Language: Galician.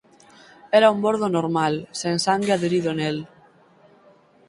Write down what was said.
Era un bordo normal, sen sangue adherido nel.